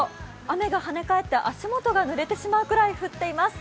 雨がはね返って足元が濡れてしまうくらい雨が降っています。